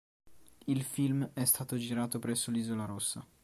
Il film è stato girato presso l'Isola Rossa.